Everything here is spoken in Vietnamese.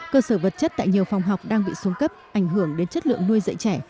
cơ sở vật chất tại nhiều phòng học đang bị xuống cấp ảnh hưởng đến chất lượng nuôi dạy trẻ